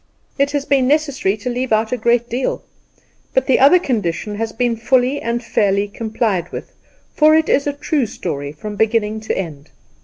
It has been necessary to leave out a great deal; but the other condition has been fully and fairly complied with; for it is a true story from beginning to end.